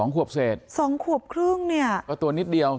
ขวบเศษ๒ขวบครึ่งเนี่ยก็ตัวนิดเดียว